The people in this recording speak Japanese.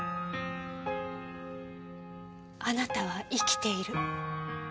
あなたは生きている。